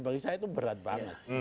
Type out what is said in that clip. bagi saya itu berat banget